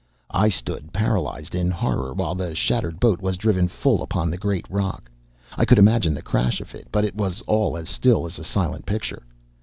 I stood, paralyzed in horror, while the shattered boat was driven full upon the great rock. I could imagine the crash of it, but it was all as still as a silent picture.